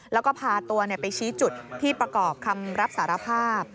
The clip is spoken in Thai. แล้วก็พาตัวไปชี้จุดที่ประกอบคำรับสารภาพ